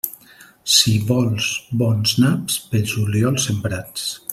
Si vols bons naps, pel juliol sembrats.